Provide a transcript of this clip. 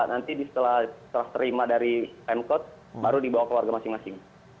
nanti setelah terima dari pemkot baru dibawa ke warga masing masing